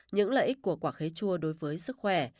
những lợi ích của quả khế chua đối với sức khỏe